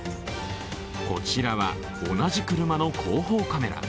こちらは同じ車の後方カメラ。